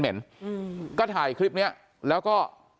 เห็นอืมก็ถ่ายคลิปเนี้ยแล้วก็